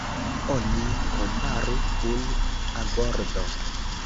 Oni komparu kun agordo.